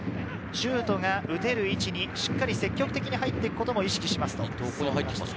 シュートが打てる位置にしっかり積極的に入っていくことを意識しますと。